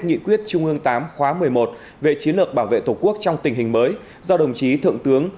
nghị quyết trung ương tám khóa một mươi một về chiến lược bảo vệ tổ quốc trong tình hình mới do đồng chí thượng tướng